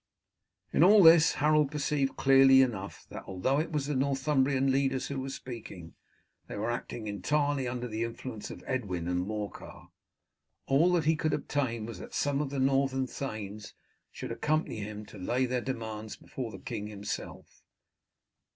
In all this Harold perceived clearly enough that, although it was the Northumbrian leaders who were speaking, they were acting entirely under the influence of Edwin and Morcar. All that he could obtain was that some of the northern thanes should accompany him to lay their demands before the king himself.